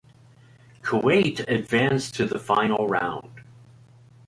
Kuwait advanced to the Final Round.